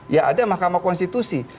ya ada mahkamah konstitusi